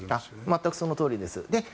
全くそのとおりです。